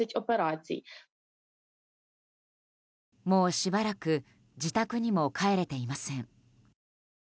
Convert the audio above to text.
もうしばらく自宅にも帰れていません。